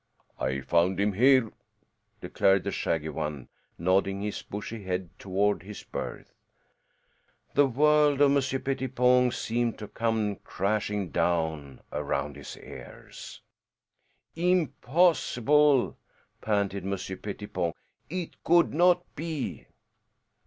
"I found him here," declared the shaggy one, nodding his bushy head toward his berth. The world of Monsieur Pettipon seemed to come crashing down around his ears. "Impossible!" panted Monsieur Pettipon. "It could not be."